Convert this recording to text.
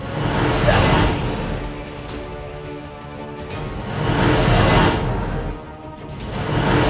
p sistema ayah